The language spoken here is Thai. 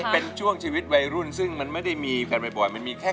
เพื่อนรู้ค่ะเพื่อนรู้ค่ะ